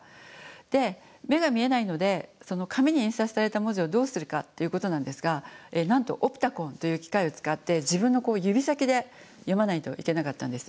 で目が見えないのでその紙に印刷された文字をどうするかということなんですがなんとオプタコンという機械を使って自分の指先で読まないといけなかったんです。